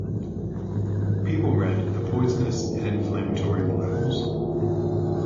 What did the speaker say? People read the poisonous and inflammatory libels.